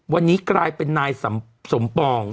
วันนี้กลายเป็นนายสมปอง